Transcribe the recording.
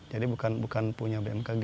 jadi bukan punya bmkg